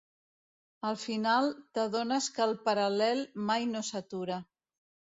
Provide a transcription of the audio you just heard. Al final t'adones que el Paral·lel mai no s'atura.